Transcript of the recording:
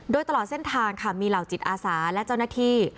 โดยตลอดเส้นทางค่ะมีเหล่าจิตอาสาและเจ้าหน้าที่